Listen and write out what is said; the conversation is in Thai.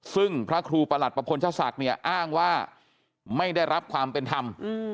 ซึ่งพระครูประหลัดประพลชศักดิ์เนี่ยอ้างว่าไม่ได้รับความเป็นธรรม